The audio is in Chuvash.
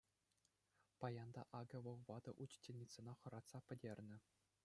Паян та акӑ вӑл ватӑ учительницӑна хӑратса пӗтернӗ.